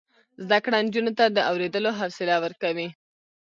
زده کړه نجونو ته د اوریدلو حوصله ورکوي.